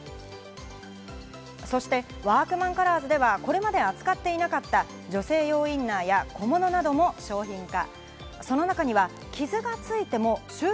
そしてワークマンカラーズではこれまで扱っていなかった女性用インナーや小物なども商品化。